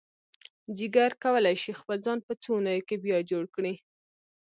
جگر کولی شي خپل ځان په څو اونیو کې بیا جوړ کړي.